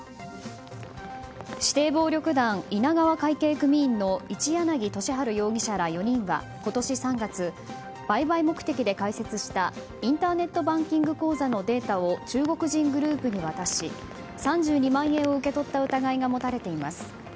指定暴力団稲川会系組員の一柳敏春容疑者ら４人は今年３月、売買目的で開設したインターネットバンキング口座のデータを中国人グループに渡し３２万円を受け取った疑いが持たれています。